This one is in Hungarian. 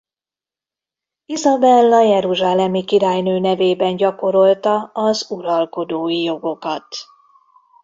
Izabella jeruzsálemi királynő nevében gyakorolta az uralkodói jogokat.